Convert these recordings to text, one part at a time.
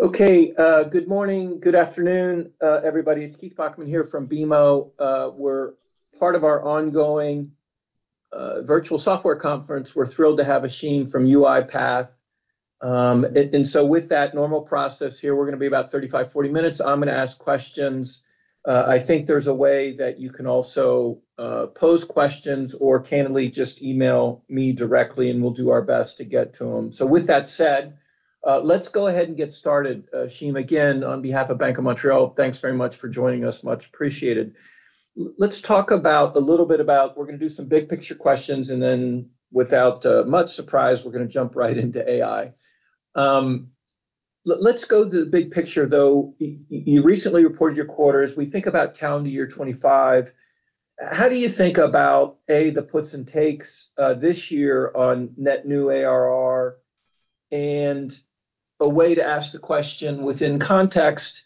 Okay, good morning, good afternoon, everybody. It's Keith Bachman here from BMO. We're part of our ongoing virtual software conference. We're thrilled to have Ashim from UiPath. With that normal process here, we're going to be about 35-40 minutes. I'm going to ask questions. I think there's a way that you can also pose questions or candidly just email me directly, and we'll do our best to get to them. With that said, let's go ahead and get started. Ashim, again, on behalf of Bank of Montreal, thanks very much for joining us. Much appreciated. Let's talk a little bit about, we're going to do some big picture questions, and then without much surprise, we're going to jump right into AI. Let's go to the big picture, though. You recently reported your quarters. We think about calendar year 2025. How do you think about, A, the puts and takes this year on net new ARR? A way to ask the question within context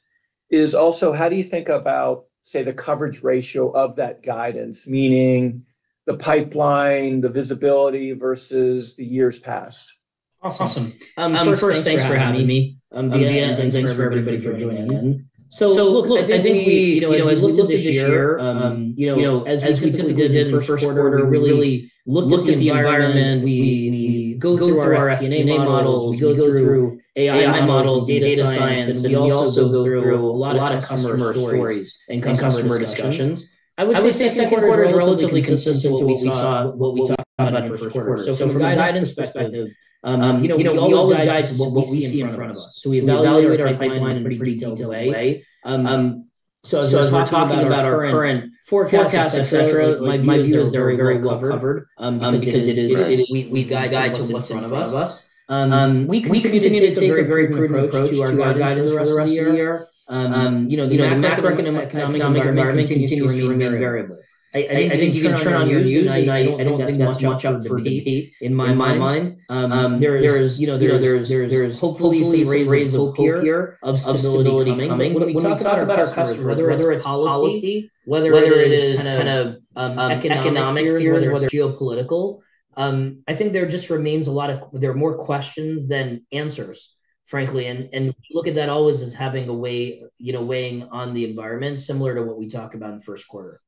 is also, how do you think about, say, the coverage ratio of that guidance, meaning the pipeline, the visibility versus the years past? Awesome. First, thanks for having me. And thanks for everybody for joining in. I think we looked at this year as we typically did for first quarter, really looked at the environment. We go through our FP&A models. We go through AI models, data science. We also go through a lot of customer stories and customer discussions. I would say second quarter is relatively consistent with what we saw, what we talked about for first quarter. From a guidance perspective, all those guides are what we see in front of us. We evaluate our pipeline in a pretty detailed way. As we're talking about our current forecast, etc., my view is they're very well covered because we guide to what's in front of us. We continue to take a very prudent approach to our guidance for the rest of the year. The macroeconomic momentum continues to remain variable. I think you can turn on your news, and I do not think that is much of a deep in my mind. There is hopefully some reasonable peer of stability coming. When we talk about our customers, whether it is policy, whether it is kind of economic fear, geopolitical, I think there just remains a lot of, there are more questions than answers, frankly. I look at that always as having a way weighing on the environment, similar to what we talked about in the first quarter.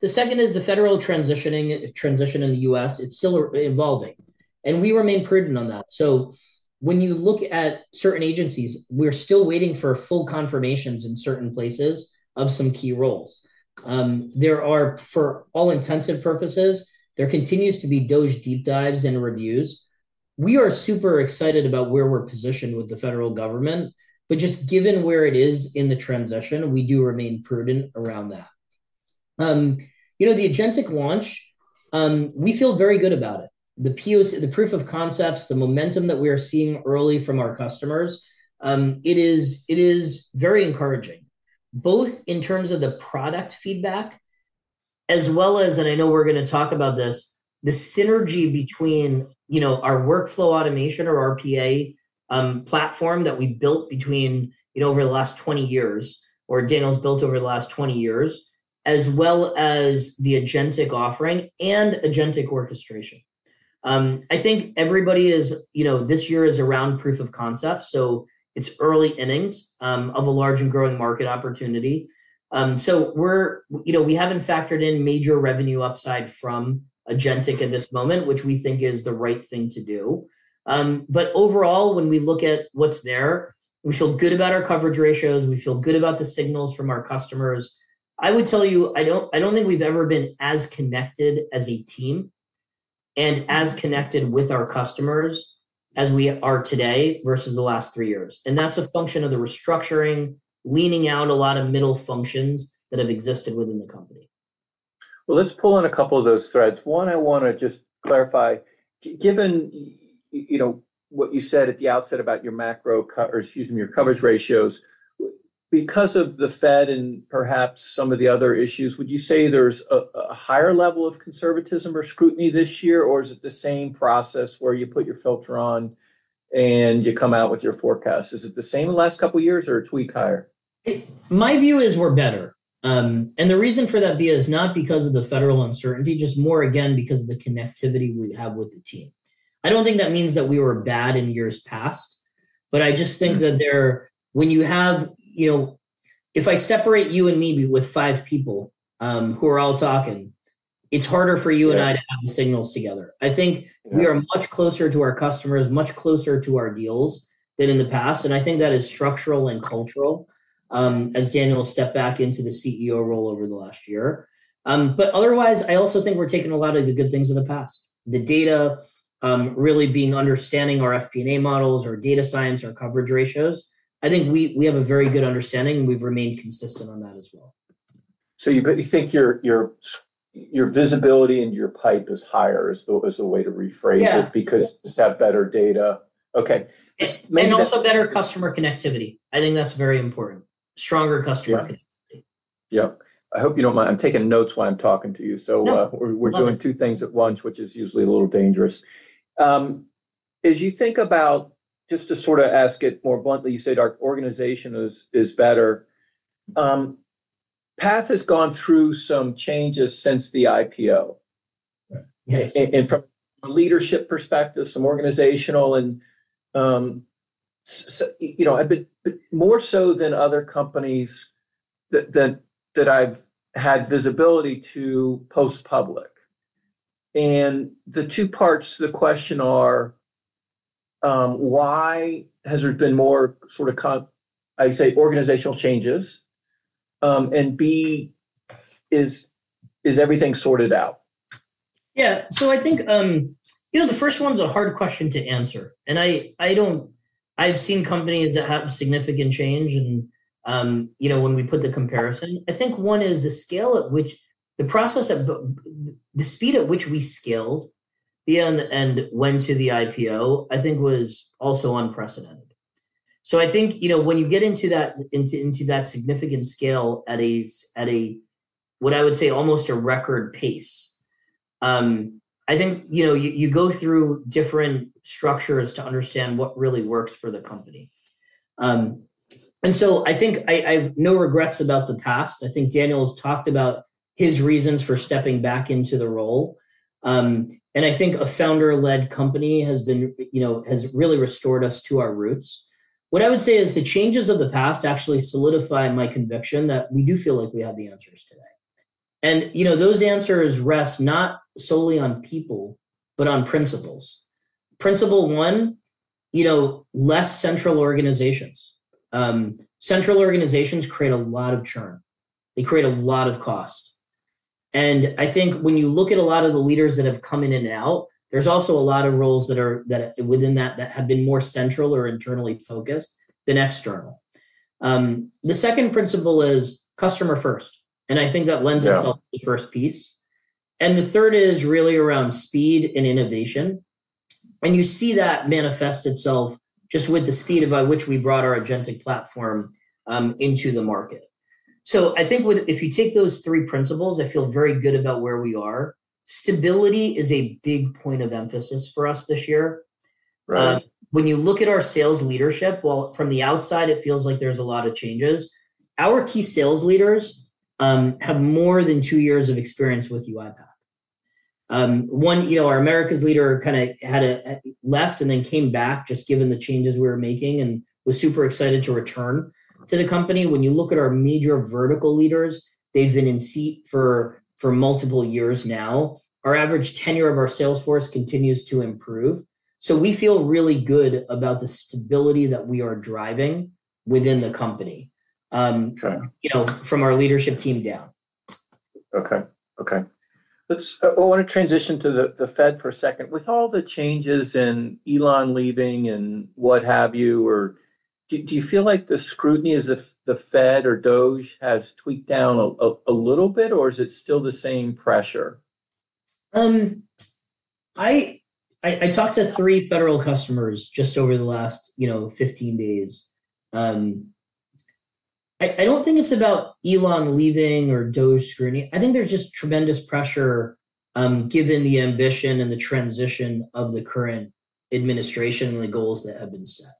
The second is the federal transition in the U.S. It is still evolving. We remain prudent on that. When you look at certain agencies, we are still waiting for full confirmations in certain places of some key roles. There are, for all intents and purposes, there continues to be DOGE deep dives and reviews. We are super excited about where we're positioned with the federal government. Just given where it is in the transition, we do remain prudent around that. The agentic launch, we feel very good about it. The proof of concepts, the momentum that we are seeing early from our customers, it is very encouraging, both in terms of the product feedback as well as, and I know we're going to talk about this, the synergy between our workflow automation or our RPA platform that we built over the last 20 years, or Daniel's built over the last 20 years, as well as the agentic offering and agentic orchestration. I think everybody is, this year is around proof of concept. It is early innings of a large and growing market opportunity. We have not factored in major revenue upside from agentic at this moment, which we think is the right thing to do. Overall, when we look at what is there, we feel good about our coverage ratios. We feel good about the signals from our customers. I would tell you, I do not think we have ever been as connected as a team and as connected with our customers as we are today versus the last three years. That is a function of the restructuring, leaning out a lot of middle functions that have existed within the company. Let's pull in a couple of those threads. One, I want to just clarify, given what you said at the outset about your macro, excuse me, your coverage ratios, because of the Fed and perhaps some of the other issues, would you say there's a higher level of conservatism or scrutiny this year, or is it the same process where you put your filter on and you come out with your forecast? Is it the same the last couple of years or a tweak higher? My view is we're better. The reason for that is not because of the federal uncertainty, just more again because of the connectivity we have with the team. I don't think that means that we were bad in years past, but I just think that when you have, if I separate you and me with five people who are all talking, it's harder for you and I to have the signals together. I think we are much closer to our customers, much closer to our deals than in the past. I think that is structural and cultural as Daniel stepped back into the CEO role over the last year. I also think we're taking a lot of the good things of the past, the data really being understanding our FP&A models, our data science, our coverage ratios. I think we have a very good understanding, and we've remained consistent on that as well. So you think your visibility and your pipe is higher is the way to rephrase it because you just have better data. Okay. Also better customer connectivity. I think that's very important. Stronger customer connectivity. Yep. I hope you don't mind. I'm taking notes while I'm talking to you. We're doing two things at once, which is usually a little dangerous. As you think about, just to sort of ask it more bluntly, you said our organization is better. UiPath has gone through some changes since the IPO. From a leadership perspective, some organizational, and more so than other companies that I've had visibility to post-public. The two parts to the question are, why has there been more sort of, I say, organizational changes? B, is everything sorted out? Yeah. I think the first one's a hard question to answer. I've seen companies that have significant change when we put the comparison. I think one is the scale at which the process, the speed at which we scaled and went to the IPO, I think was also unprecedented. I think when you get into that significant scale at a, what I would say, almost a record pace, you go through different structures to understand what really works for the company. I have no regrets about the past. I think Daniel has talked about his reasons for stepping back into the role. I think a founder-led company has really restored us to our roots. What I would say is the changes of the past actually solidify my conviction that we do feel like we have the answers today. Those answers rest not solely on people, but on principles. Principle one, less central organizations. Central organizations create a lot of churn. They create a lot of cost. I think when you look at a lot of the leaders that have come in and out, there is also a lot of roles that are within that that have been more central or internally focused than external. The second principle is customer first. I think that lends itself to the first piece. The third is really around speed and innovation. You see that manifest itself just with the speed by which we brought our agentic platform into the market. I think if you take those three principles, I feel very good about where we are. Stability is a big point of emphasis for us this year. When you look at our sales leadership, from the outside, it feels like there's a lot of changes. Our key sales leaders have more than two years of experience with UiPath. One, our Americas leader kind of had left and then came back just given the changes we were making and was super excited to return to the company. When you look at our major vertical leaders, they've been in seat for multiple years now. Our average tenure of our sales force continues to improve. We feel really good about the stability that we are driving within the company from our leadership team down. Okay. Okay. I want to transition to the Fed for a second. With all the changes in Elon leaving and what have you, do you feel like the scrutiny as the Fed or DOGE has tweaked down a little bit, or is it still the same pressure? I talked to three federal customers just over the last 15 days. I don't think it's about Elon leaving or DOGE scrutiny. I think there's just tremendous pressure given the ambition and the transition of the current administration and the goals that have been set.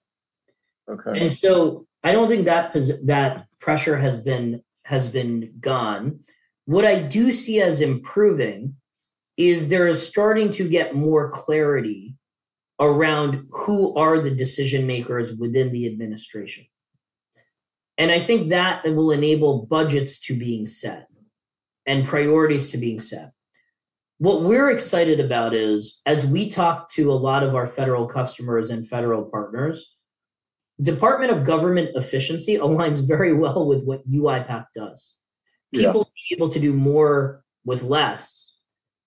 I don't think that pressure has been gone. What I do see as improving is there is starting to get more clarity around who are the decision makers within the administration. I think that will enable budgets to be set and priorities to be set. What we're excited about is, as we talk to a lot of our federal customers and federal partners, Department of Government Efficiency aligns very well with what UiPath does. People being able to do more with less,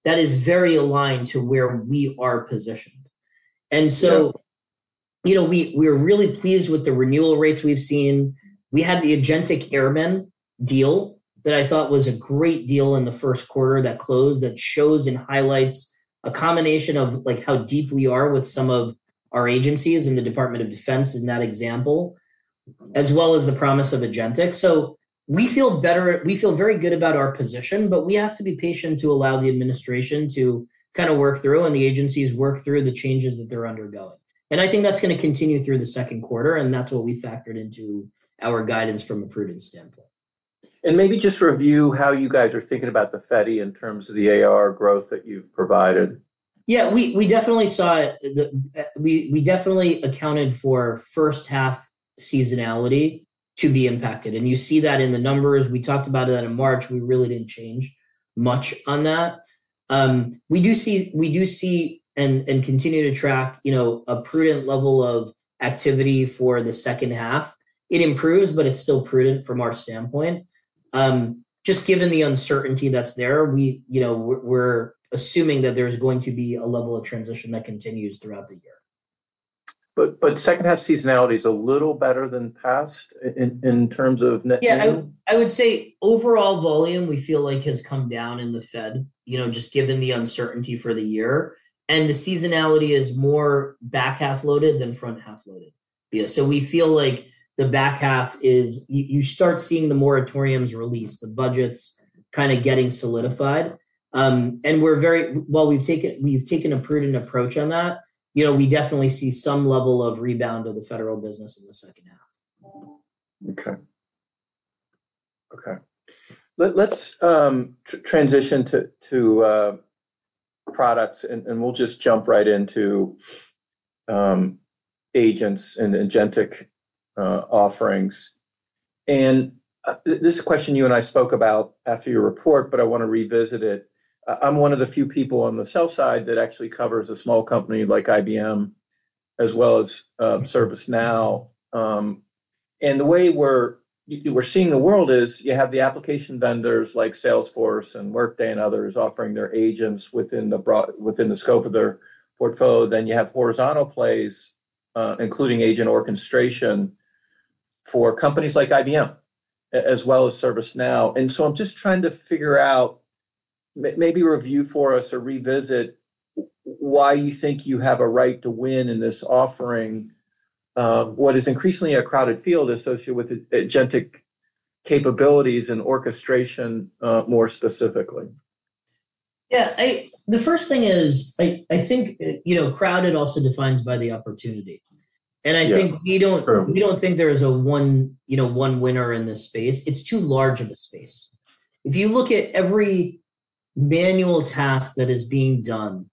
that is very aligned to where we are positioned. We're really pleased with the renewal rates we've seen. We had the Agentic Airmen deal that I thought was a great deal in the first quarter that closed that shows and highlights a combination of how deep we are with some of our agencies and the Department of Defense in that example, as well as the promise of agentic. We feel very good about our position, but we have to be patient to allow the administration to kind of work through and the agencies work through the changes that they are undergoing. I think that is going to continue through the second quarter, and that is what we factored into our guidance from a prudent standpoint. Maybe just review how you guys are thinking about the Fed in terms of the ARR growth that you've provided. Yeah. We definitely accounted for first half seasonality to be impacted. You see that in the numbers. We talked about that in March. We really did not change much on that. We do see and continue to track a prudent level of activity for the second half. It improves, but it is still prudent from our standpoint. Just given the uncertainty that is there, we are assuming that there is going to be a level of transition that continues throughout the year. Second half seasonality is a little better than past in terms of net? Yeah. I would say overall volume we feel like has come down in the Fed just given the uncertainty for the year. The seasonality is more back half loaded than front half loaded. We feel like the back half is you start seeing the moratoriums release, the budgets kind of getting solidified. While we've taken a prudent approach on that, we definitely see some level of rebound of the federal business in the second half. Okay. Okay. Let's transition to products, and we'll just jump right into agents and agentic offerings. This is a question you and I spoke about after your report, but I want to revisit it. I'm one of the few people on the sell side that actually covers a small company like IBM as well as ServiceNow. The way we're seeing the world is you have the application vendors like Salesforce and Workday and others offering their agents within the scope of their portfolio. You have horizontal plays, including agent orchestration for companies like IBM as well as ServiceNow. I'm just trying to figure out, maybe review for us or revisit why you think you have a right to win in this offering, what is increasingly a crowded field associated with agentic capabilities and orchestration more specifically. Yeah. The first thing is I think crowded also defines by the opportunity. I think we don't think there is a one winner in this space. It's too large of a space. If you look at every manual task that is being done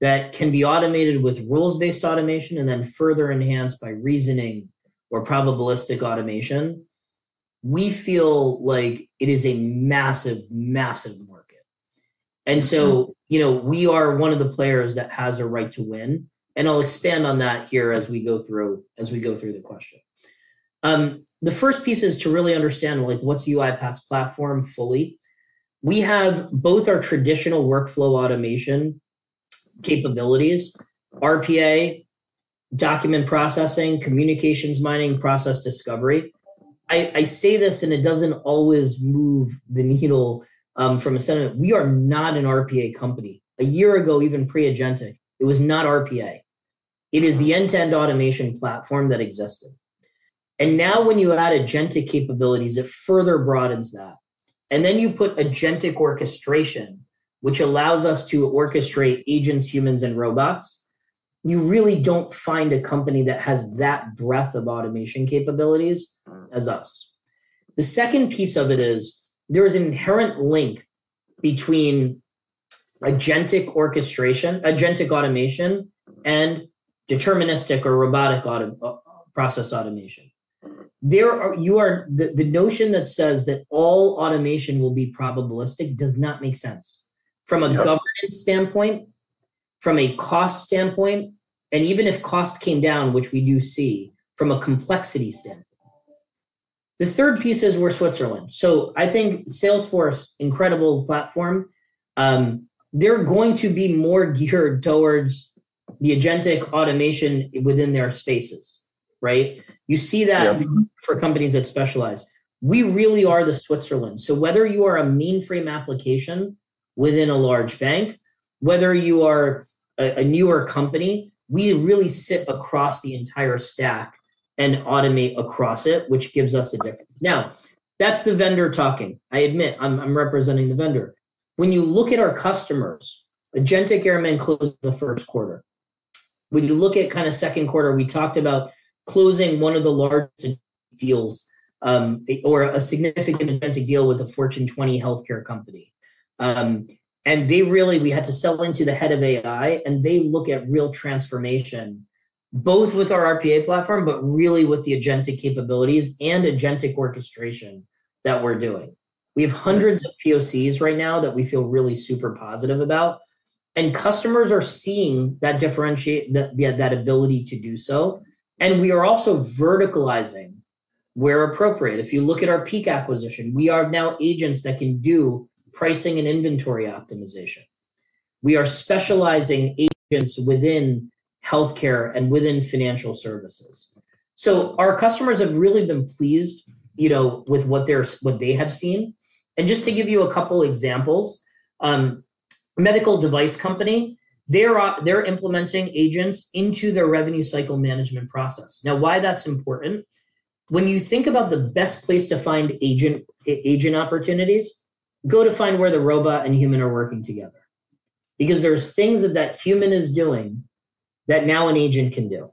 that can be automated with rules-based automation and then further enhanced by reasoning or probabilistic automation, we feel like it is a massive, massive market. We are one of the players that has a right to win. I'll expand on that here as we go through the question. The first piece is to really understand what's UiPath's platform fully. We have both our traditional workflow automation capabilities, RPA, document processing, communications mining, process discovery. I say this and it doesn't always move the needle from a sentiment. We are not an RPA company. A year ago, even pre-agentic, it was not RPA. It is the end-to-end automation platform that existed. Now when you add agentic capabilities, it further broadens that. You put agentic orchestration, which allows us to orchestrate agents, humans, and robots. You really do not find a company that has that breadth of automation capabilities as us. The second piece of it is there is an inherent link between agentic automation and deterministic or robotic process automation. The notion that says that all automation will be probabilistic does not make sense from a governance standpoint, from a cost standpoint, and even if cost came down, which we do see, from a complexity standpoint. The third piece is we are Switzerland. I think Salesforce, incredible platform. They are going to be more geared towards the agentic automation within their spaces, right? You see that for companies that specialize. We really are the Switzerland. Whether you are a mainframe application within a large bank, whether you are a newer company, we really sit across the entire stack and automate across it, which gives us a difference. Now, that's the vendor talking. I admit I'm representing the vendor. When you look at our customers, agentic airmen closed the first quarter. When you look at kind of second quarter, we talked about closing one of the largest deals or a significant agentic deal with a Fortune 20 healthcare company. We had to sell into the head of AI, and they look at real transformation, both with our RPA platform, but really with the agentic capabilities and agentic orchestration that we're doing. We have hundreds of POCs right now that we feel really super positive about. Customers are seeing that ability to do so. We are also verticalizing where appropriate. If you look at our Peak AI acquisition, we are now agents that can do pricing and inventory optimization. We are specializing agents within healthcare and within financial services. Our customers have really been pleased with what they have seen. Just to give you a couple of examples, a medical device company, they're implementing agents into their revenue cycle management process. Now, why that's important? When you think about the best place to find agent opportunities, go to find where the robot and human are working together. There are things that that human is doing that now an agent can do.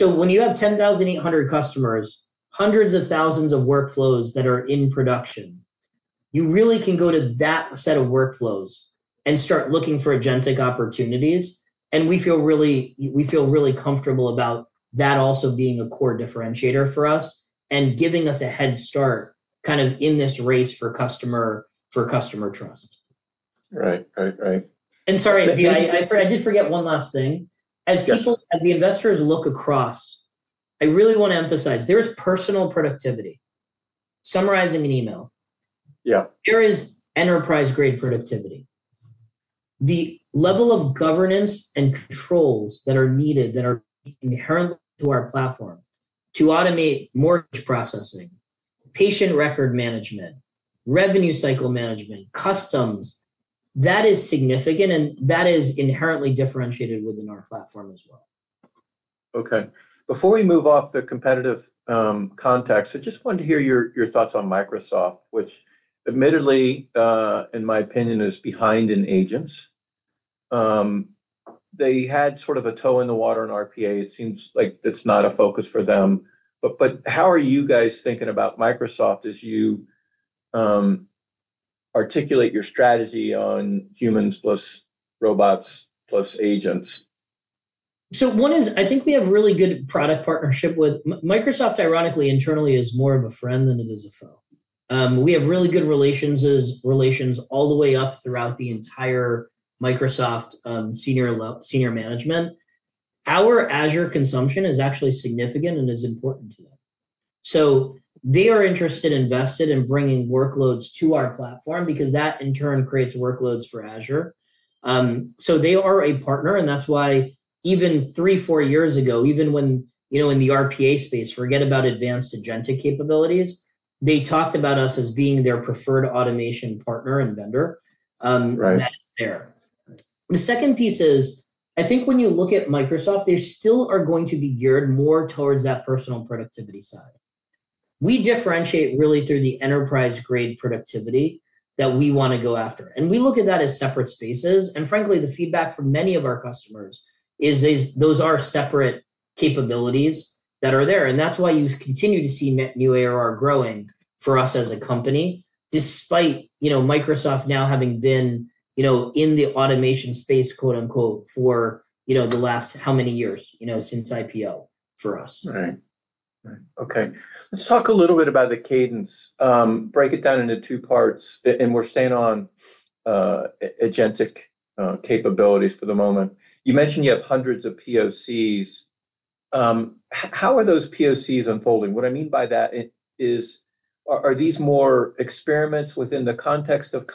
When you have 10,800 customers, hundreds of thousands of workflows that are in production, you really can go to that set of workflows and start looking for agentic opportunities. We feel really comfortable about that also being a core differentiator for us and giving us a head start kind of in this race for customer trust. Right. Sorry, I did forget one last thing. As the investors look across, I really want to emphasize there is personal productivity. Summarizing an email. There is enterprise-grade productivity. The level of governance and controls that are needed that are inherent to our platform to automate mortgage processing, patient record management, revenue cycle management, customs, that is significant and that is inherently differentiated within our platform as well. Okay. Before we move off the competitive context, I just wanted to hear your thoughts on Microsoft, which admittedly, in my opinion, is behind in agents. They had sort of a toe in the water in RPA. It seems like it's not a focus for them. How are you guys thinking about Microsoft as you articulate your strategy on humans plus robots plus agents? One is I think we have really good product partnership with Microsoft. Ironically, internally, it is more of a friend than it is a foe. We have really good relations all the way up throughout the entire Microsoft senior management. Our Azure consumption is actually significant and is important to them. They are interested and invested in bringing workloads to our platform because that in turn creates workloads for Azure. They are a partner, and that's why even three, four years ago, even when in the RPA space, forget about advanced agentic capabilities, they talked about us as being their preferred automation partner and vendor. That's there. The second piece is I think when you look at Microsoft, they still are going to be geared more towards that personal productivity side. We differentiate really through the enterprise-grade productivity that we want to go after. We look at that as separate spaces. Frankly, the feedback from many of our customers is those are separate capabilities that are there. That is why you continue to see net new ARR growing for us as a company, despite Microsoft now having been in the automation space, quote unquote, for the last how many years since IPO for us. Right. Right. Okay. Let's talk a little bit about the cadence. Break it down into two parts, and we're staying on agentic capabilities for the moment. You mentioned you have hundreds of POCs. How are those POCs unfolding? What I mean by that is, are these more experiments within the context of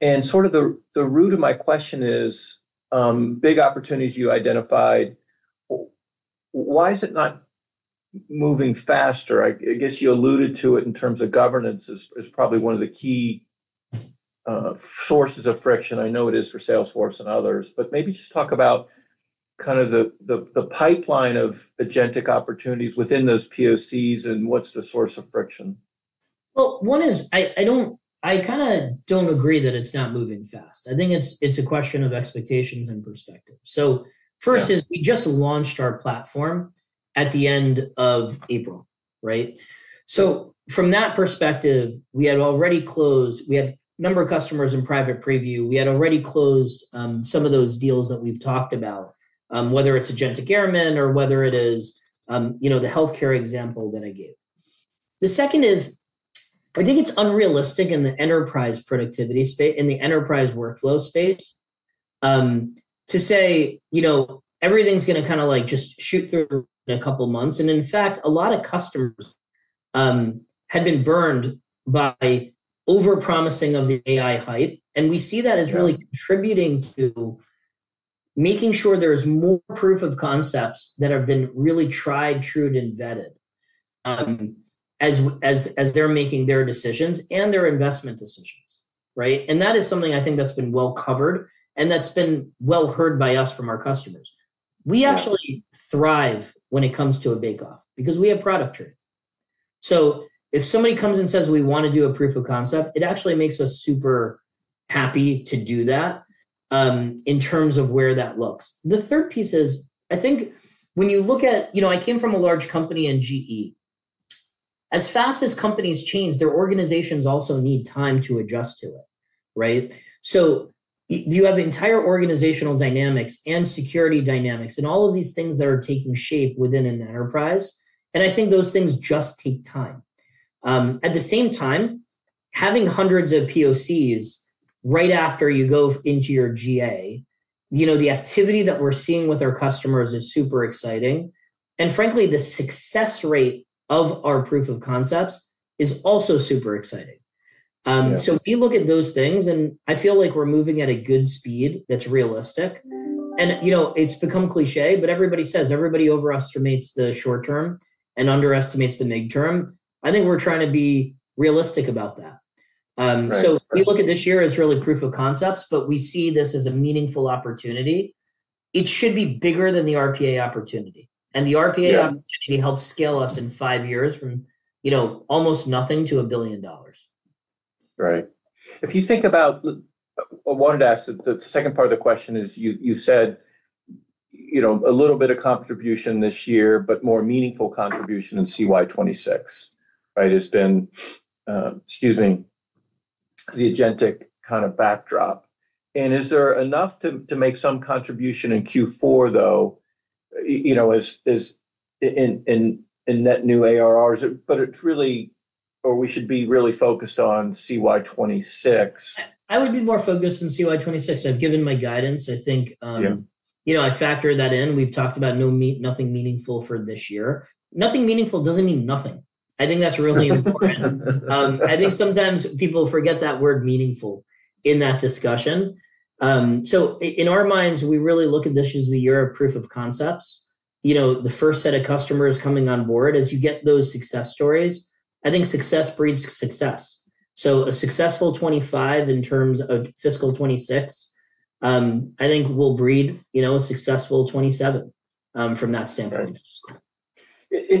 companies? And sort of the root of my question is big opportunities you identified, why is it not moving faster? I guess you alluded to it in terms of governance is probably one of the key sources of friction. I know it is for Salesforce and others, but maybe just talk about kind of the pipeline of agentic opportunities within those POCs and what's the source of friction? I kind of don't agree that it's not moving fast. I think it's a question of expectations and perspective. First is we just launched our platform at the end of April, right? From that perspective, we had already closed a number of customers in private preview. We had already closed some of those deals that we've talked about, whether it's agentic airmen or whether it is the healthcare example that I gave. The second is I think it's unrealistic in the enterprise productivity space, in the enterprise workflow space, to say everything's going to kind of just shoot through in a couple of months. In fact, a lot of customers had been burned by overpromising of the AI hype. We see that as really contributing to making sure there is more proof of concepts that have been really tried, trued, and vetted as they're making their decisions and their investment decisions, right? That is something I think that's been well covered and that's been well heard by us from our customers. We actually thrive when it comes to a bakeoff because we have product truth. If somebody comes and says, "We want to do a proof of concept," it actually makes us super happy to do that in terms of where that looks. The third piece is I think when you look at I came from a large company in GE. As fast as companies change, their organizations also need time to adjust to it, right? You have entire organizational dynamics and security dynamics and all of these things that are taking shape within an enterprise. I think those things just take time. At the same time, having hundreds of POCs right after you go into your GA, the activity that we're seeing with our customers is super exciting. Frankly, the success rate of our proof of concepts is also super exciting. We look at those things, and I feel like we're moving at a good speed that's realistic. It's become cliché, but everybody says everybody overestimates the short term and underestimates the midterm. I think we're trying to be realistic about that. We look at this year as really proof of concepts, but we see this as a meaningful opportunity. It should be bigger than the RPA opportunity. The RPA opportunity helps scale us in five years from almost nothing to $1 billion. Right. If you think about, I wanted to ask, the second part of the question is you said a little bit of contribution this year, but more meaningful contribution in CY2026, right, has been, excuse me, the agentic kind of backdrop. And is there enough to make some contribution in Q4, though, in net new ARR? But it's really, or we should be really focused on CY2026. I would be more focused on CY2026. I've given my guidance. I think I factor that in. We've talked about no meat, nothing meaningful for this year. Nothing meaningful doesn't mean nothing. I think that's really important. I think sometimes people forget that word meaningful in that discussion. In our minds, we really look at this as the year of proof of concepts. The first set of customers coming on board, as you get those success stories, I think success breeds success. A successful 2025 in terms of fiscal 2026, I think will breed a successful 2027 from that standpoint.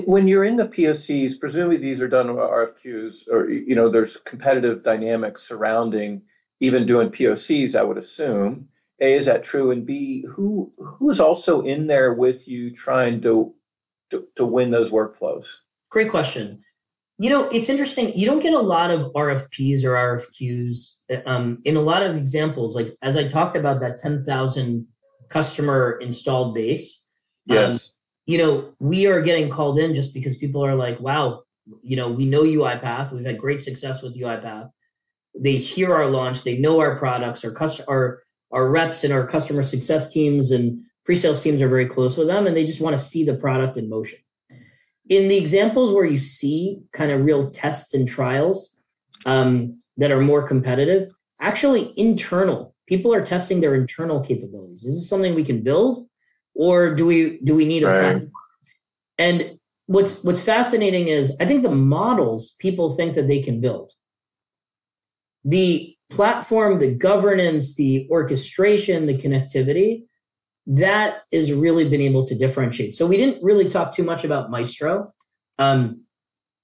When you're in the POCs, presumably these are done with RFQs or there's competitive dynamics surrounding even doing POCs. I would assume. Is that true? Who's also in there with you trying to win those workflows? Great question. It's interesting. You don't get a lot of RFPs or RFQs in a lot of examples. As I talked about that 10,000 customer installed base, we are getting called in just because people are like, "Wow, we know UiPath. We've had great success with UiPath." They hear our launch. They know our products. Our reps and our customer success teams and presales teams are very close with them, and they just want to see the product in motion. In the examples where you see kind of real tests and trials that are more competitive, actually internal, people are testing their internal capabilities. Is this something we can build, or do we need a plan? What's fascinating is I think the models people think that they can build, the platform, the governance, the orchestration, the connectivity, that has really been able to differentiate. We did not really talk too much about Maestro.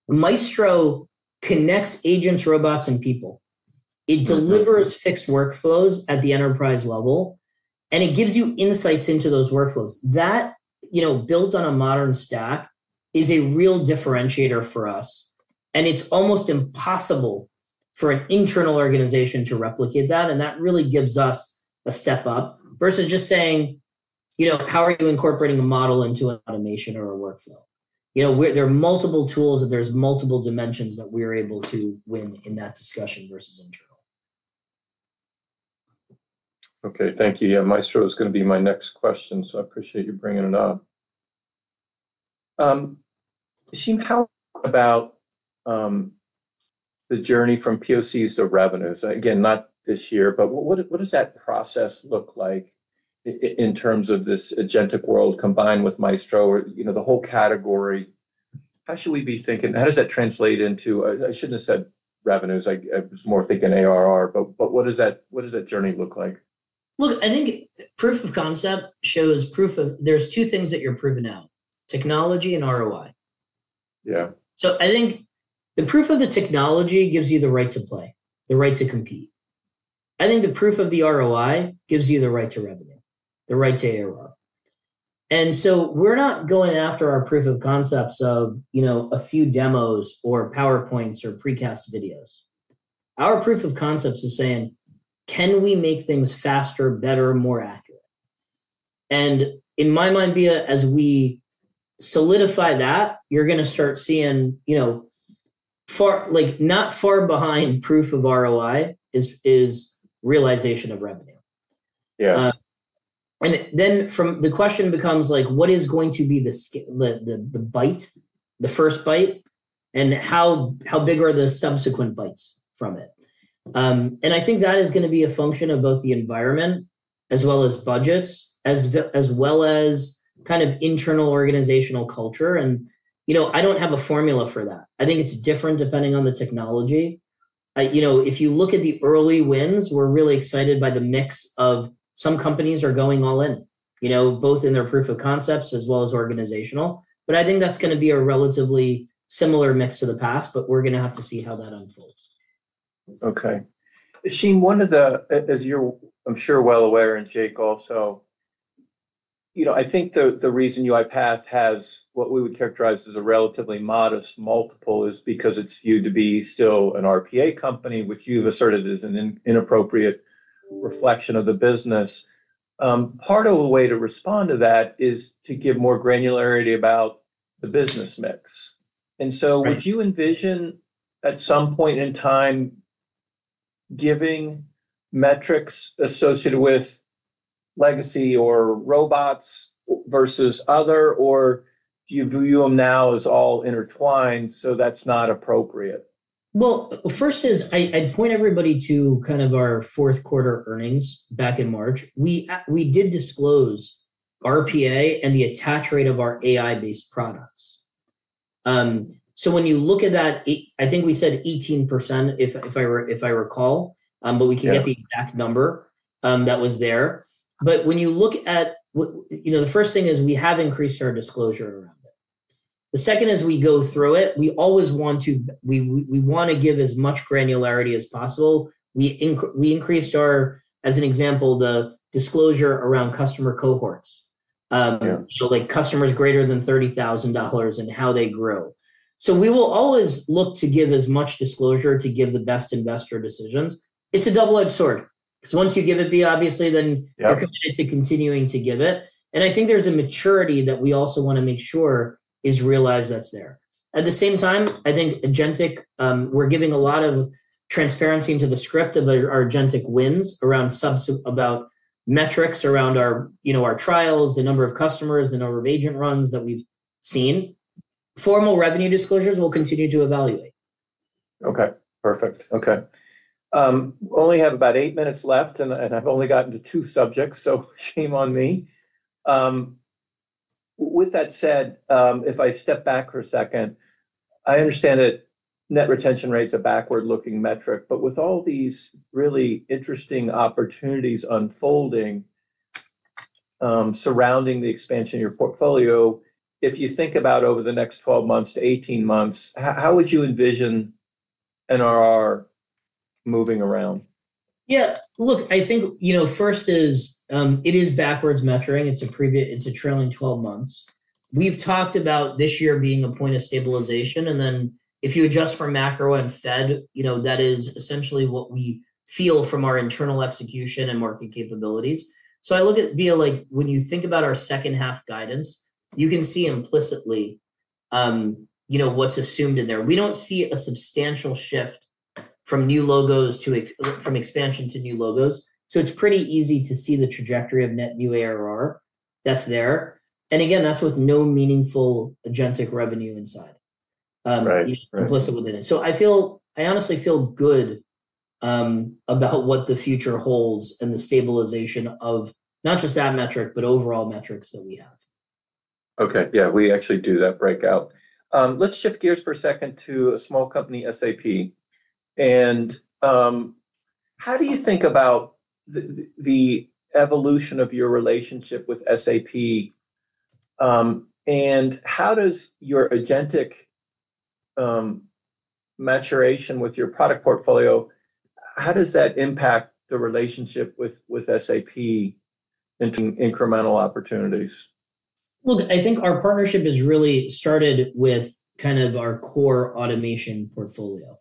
Maestro connects agents, robots, and people. It delivers fixed workflows at the enterprise level, and it gives you insights into those workflows. That, built on a modern stack, is a real differentiator for us. It is almost impossible for an internal organization to replicate that. That really gives us a step up versus just saying, "How are you incorporating a model into automation or a workflow?" There are multiple tools, and there are multiple dimensions that we are able to win in that discussion versus internal. Okay. Thank you. Yeah, Maestro is going to be my next question, so I appreciate you bringing it up. Ashim, how about the journey from POCs to revenues? Again, not this year, but what does that process look like in terms of this agentic world combined with Maestro or the whole category? How should we be thinking? How does that translate into I shouldn't have said revenues. I was more thinking ARR, but what does that journey look like? Look, I think proof of concept shows proof of there's two things that you're proving out: technology and ROI. I think the proof of the technology gives you the right to play, the right to compete. I think the proof of the ROI gives you the right to revenue, the right to ARR. We're not going after our proof of concepts of a few demos or PowerPoints or precast videos. Our proof of concepts is saying, "Can we make things faster, better, more accurate?" In my mind, Bia, as we solidify that, you're going to start seeing not far behind proof of ROI is realization of revenue. The question becomes like, "What is going to be the bite, the first bite, and how big are the subsequent bites from it?" I think that is going to be a function of both the environment as well as budgets, as well as kind of internal organizational culture. I do not have a formula for that. I think it is different depending on the technology. If you look at the early wins, we are really excited by the mix of some companies going all in, both in their proof of concepts as well as organizational. I think that is going to be a relatively similar mix to the past, but we are going to have to see how that unfolds. Okay. Ashim, one of the, as you're, I'm sure, well aware, and Jake also, I think the reason UiPath has what we would characterize as a relatively modest multiple is because it's viewed to be still an RPA company, which you've asserted is an inappropriate reflection of the business. Part of a way to respond to that is to give more granularity about the business mix. And so would you envision at some point in time giving metrics associated with legacy or robots versus other, or do you view them now as all intertwined so that's not appropriate? First, I'd point everybody to kind of our fourth quarter earnings back in March. We did disclose RPA and the attach rate of our AI-based products. When you look at that, I think we said 18%, if I recall, but we can get the exact number that was there. When you look at the first thing, we have increased our disclosure around it. The second is we go through it. We always want to give as much granularity as possible. We increased, as an example, the disclosure around customer cohorts, so customers greater than $30,000 and how they grow. We will always look to give as much disclosure to give the best investor decisions. It's a double-edged sword because once you give it, obviously, then you're committed to continuing to give it. I think there's a maturity that we also want to make sure is realized that's there. At the same time, I think agentic, we're giving a lot of transparency into the script of our agentic wins around metrics around our trials, the number of customers, the number of agent runs that we've seen. Formal revenue disclosures we'll continue to evaluate. Okay. Perfect. Okay. We only have about eight minutes left, and I've only gotten to two subjects, so shame on me. With that said, if I step back for a second, I understand that net retention rates are a backward-looking metric, but with all these really interesting opportunities unfolding surrounding the expansion of your portfolio, if you think about over the next 12 months to 18 months, how would you envision NRR moving around? Yeah. Look, I think first is it is backwards measuring. It's a trailing 12 months. We've talked about this year being a point of stabilization. If you adjust for macro and Fed, that is essentially what we feel from our internal execution and market capabilities. I look at, Bia, when you think about our second-half guidance, you can see implicitly what's assumed in there. We don't see a substantial shift from expansion to new logos. It's pretty easy to see the trajectory of net new ARR that's there. Again, that's with no meaningful agentic revenue inside, implicit within it. I honestly feel good about what the future holds and the stabilization of not just that metric, but overall metrics that we have. Okay. Yeah. We actually do that breakout. Let's shift gears for a second to a small company, SAP. How do you think about the evolution of your relationship with SAP? How does your agentic maturation with your product portfolio, how does that impact the relationship with SAP and incremental opportunities? Look, I think our partnership has really started with kind of our core automation portfolio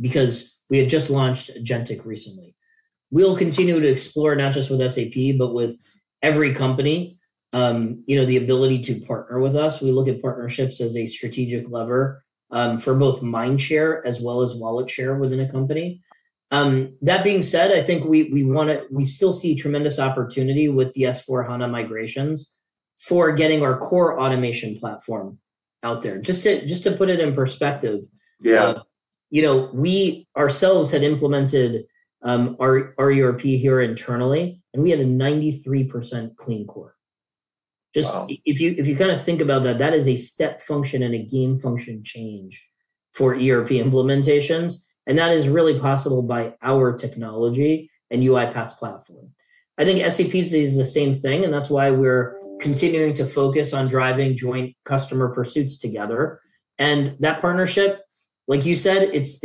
because we had just launched agentic recently. We'll continue to explore not just with SAP, but with every company the ability to partner with us. We look at partnerships as a strategic lever for both mind share as well as wallet share within a company. That being said, I think we still see tremendous opportunity with the S/4HANA migrations for getting our core automation platform out there. Just to put it in perspective, we ourselves had implemented our ERP here internally, and we had a 93% clean core. Just if you kind of think about that, that is a step function and a game function change for ERP implementations. That is really possible by our technology and UiPath's platform. I think SAP sees the same thing, and that is why we are continuing to focus on driving joint customer pursuits together. That partnership, like you said, as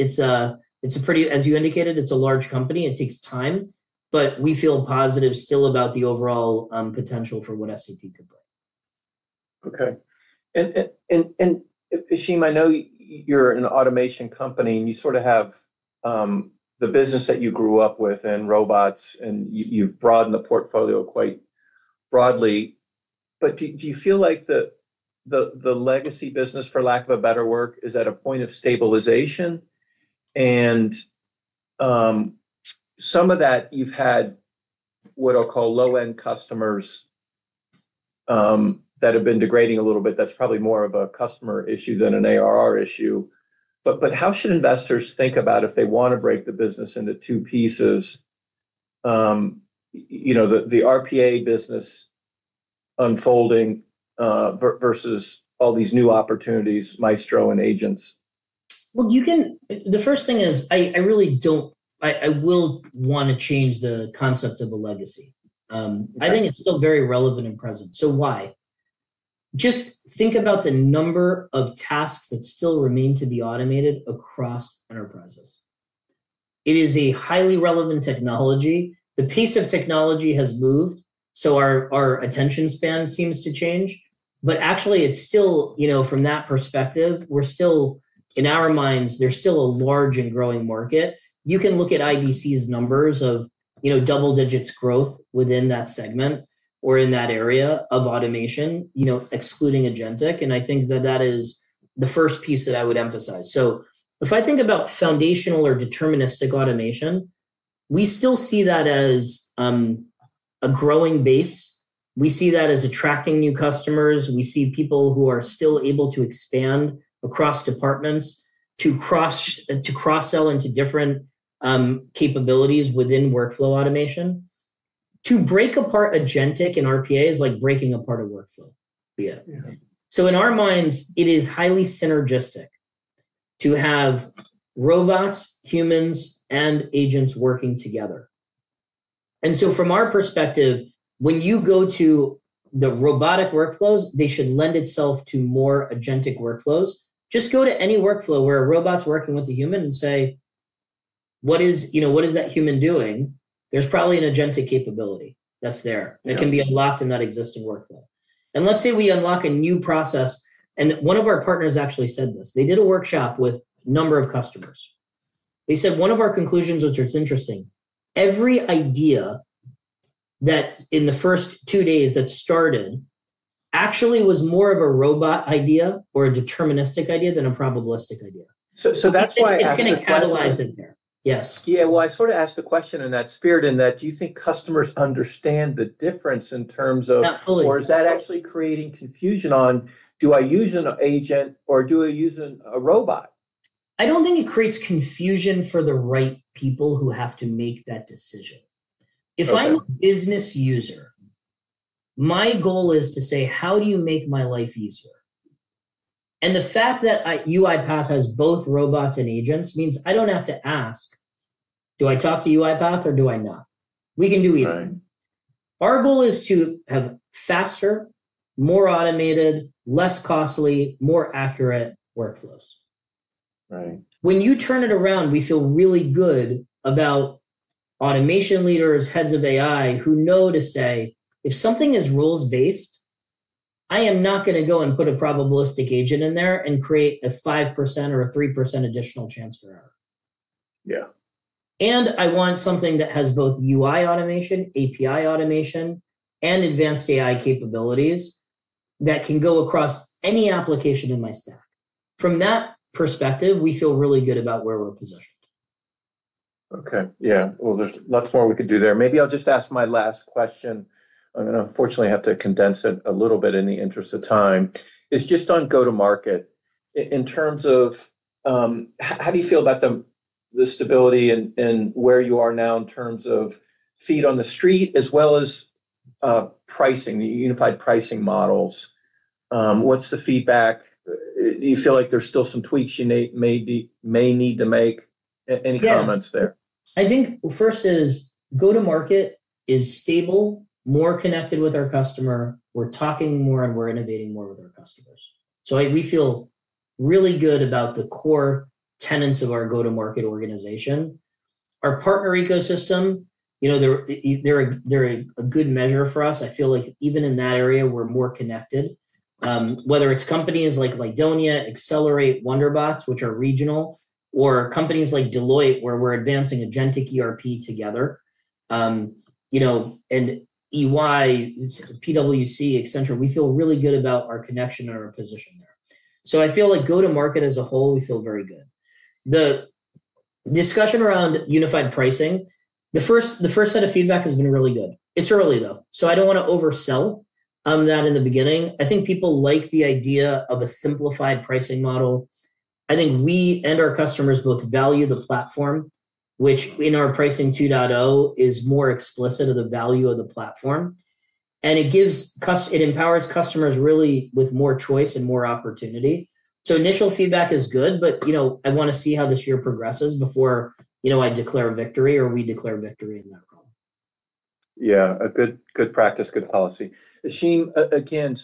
you indicated, it is a large company. It takes time, but we feel positive still about the overall potential for what SAP could bring. Okay. Ashim, I know you're an automation company, and you sort of have the business that you grew up with and robots, and you've broadened the portfolio quite broadly. Do you feel like the legacy business, for lack of a better word, is at a point of stabilization? Some of that, you've had what I'll call low-end customers that have been degrading a little bit. That's probably more of a customer issue than an ARR issue. How should investors think about if they want to break the business into two pieces, the RPA business unfolding versus all these new opportunities, Maestro and agents? The first thing is I will want to change the concept of a legacy. I think it's still very relevant and present. Why? Just think about the number of tasks that still remain to be automated across enterprises. It is a highly relevant technology. The pace of technology has moved, so our attention span seems to change. Actually, from that perspective, in our minds, there's still a large and growing market. You can look at IDC's numbers of double-digit growth within that segment or in that area of automation, excluding agentic. I think that that is the first piece that I would emphasize. If I think about foundational or deterministic automation, we still see that as a growing base. We see that as attracting new customers. We see people who are still able to expand across departments to cross-sell into different capabilities within workflow automation. To break apart agentic and RPA is like breaking apart a workflow, Bia. In our minds, it is highly synergistic to have robots, humans, and agents working together. From our perspective, when you go to the robotic workflows, they should lend itself to more agentic workflows. Just go to any workflow where a robot's working with a human and say, "What is that human doing?" There's probably an agentic capability that's there. It can be unlocked in that existing workflow. Let's say we unlock a new process. One of our partners actually said this. They did a workshop with a number of customers. They said, "One of our conclusions, which is interesting, every idea that in the first two days that started actually was more of a robot idea or a deterministic idea than a probabilistic idea. That's why I asked that. It's going to capitalize in there. Yes. Yeah. I sort of asked a question in that spirit, in that do you think customers understand the difference in terms of. Not fully. Or is that actually creating confusion on, "Do I use an agent, or do I use a robot? I don't think it creates confusion for the right people who have to make that decision. If I'm a business user, my goal is to say, "How do you make my life easier?" The fact that UiPath has both robots and agents means I don't have to ask, "Do I talk to UiPath, or do I not?" We can do either. Our goal is to have faster, more automated, less costly, more accurate workflows. When you turn it around, we feel really good about automation leaders, heads of AI who know to say, "If something is rules-based, I am not going to go and put a probabilistic agent in there and create a 5% or a 3% additional chance for error." I want something that has both UI automation, API automation, and advanced AI capabilities that can go across any application in my stack. From that perspective, we feel really good about where we're positioned. Okay. Yeah. There is lots more we could do there. Maybe I will just ask my last question. I am going to, unfortunately, have to condense it a little bit in the interest of time. It is just on go-to-market. In terms of how do you feel about the stability and where you are now in terms of feet on the street as well as pricing, the unified pricing models? What is the feedback? Do you feel like there are still some tweaks you may need to make? Any comments there? Yeah. I think first is go-to-market is stable, more connected with our customer. We're talking more, and we're innovating more with our customers. We feel really good about the core tenets of our go-to-market organization. Our partner ecosystem, they're a good measure for us. I feel like even in that area, we're more connected, whether it's companies like Lydonia, Accelerate, WonderBots, which are regional, or companies like Deloitte, where we're advancing agentic ERP together. And EY, PwC, Accenture, we feel really good about our connection and our position there. I feel like go-to-market as a whole, we feel very good. The discussion around unified pricing, the first set of feedback has been really good. It's early, though. I don't want to oversell on that in the beginning. I think people like the idea of a simplified pricing model. I think we and our customers both value the platform, which in our pricing 2.0 is more explicit of the value of the platform. It empowers customers really with more choice and more opportunity. Initial feedback is good, but I want to see how this year progresses before I declare victory or we declare victory in that role. Yeah. A good practice, good policy. Ashim, again,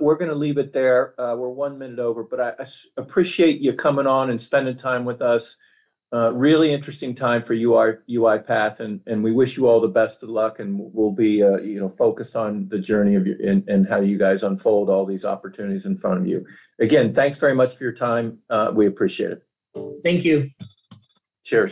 we're going to leave it there. We're one minute over, but I appreciate you coming on and spending time with us. Really interesting time for UiPath, and we wish you all the best of luck, and we'll be focused on the journey and how you guys unfold all these opportunities in front of you. Again, thanks very much for your time. We appreciate it. Thank you. Cheers.